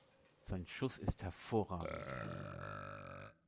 Sein Schuß ist hervorragend.